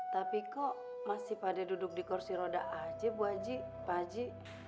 tapi kok masih pada duduk di kursi roda aja bu haji pak haji